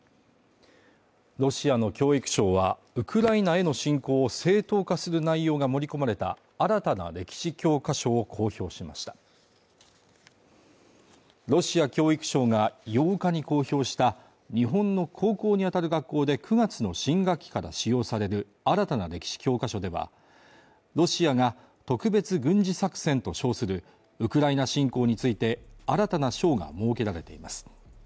ロシアの教育省はウクライナへの侵攻を正当化する内容が盛り込まれた新たな歴史教科書を公表しましたロシア教育省が８日に公表した日本の高校に当たる学校で９月の新学期から使用される新たな歴史教科書ではロシアが特別軍事作戦と称するウクライナ侵攻について新たな省が設けられています